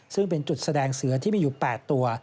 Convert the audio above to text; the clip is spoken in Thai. ซึ่งเป็นจุดแสดงเสือที่มีอยู่๘ตัว